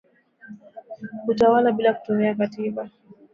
Kutawala bila kutumia katiba